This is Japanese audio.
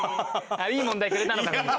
いい問題くれたのかな。